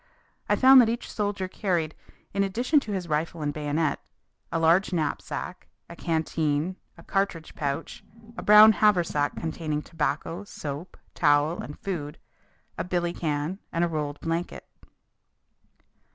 I found that each soldier carried, in addition to his rifle and bayonet, a large knapsack, a canteen, a cartridge pouch, a brown haversack containing tobacco, soap, towel and food, a billy can and a rolled blanket.